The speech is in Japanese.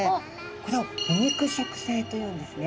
これを腐肉食性というんですね。